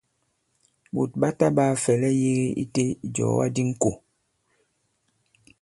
Ɓòt ɓa taɓāa fɛ̀lɛ yēge i tē ìjɔ̀ga di ŋkò.